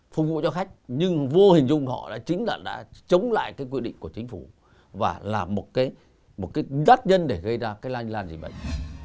phục vụ cho khách nhưng vô hình dung họ đã chính là đã chống lại cái quy định của chính phủ và là một cái gác nhân để gây ra cái lanh lan dịch bệnh